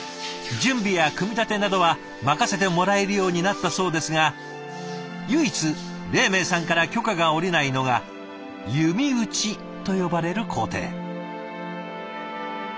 準備や組み立てなどは任せてもらえるようになったそうですが唯一黎明さんから許可が下りないのが弓打ちと呼ばれる工程。